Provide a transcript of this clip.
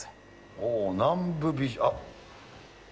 おお、南部美人。